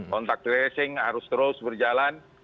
kontak tracing harus terus berjalan